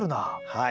はい。